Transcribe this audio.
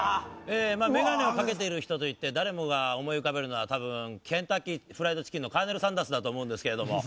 眼鏡をかけている人といって誰もが思い浮かべるのは多分ケンタッキーフライドチキンのカーネル・サンダースだと思うんですけれども。